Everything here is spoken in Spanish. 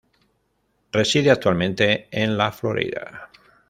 Reside actualmente en la Florida.